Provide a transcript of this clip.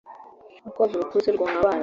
urukwavu rukuze rwonka abana